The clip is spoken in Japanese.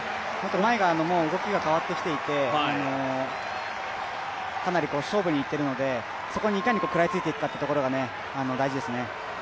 前が動きが変わってきていて、かなり勝負にいっているので、そこにいかに食らいついていくかというのが大事ですね。